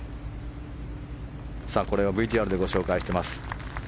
これはＶＴＲでご紹介しています。